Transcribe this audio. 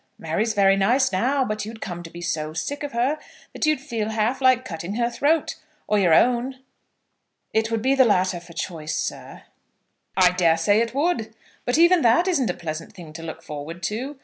Mary's very nice now, but you'd come to be so sick of her, that you'd feel half like cutting her throat, or your own." "It would be the latter for choice, sir." "I dare say it would. But even that isn't a pleasant thing to look forward to.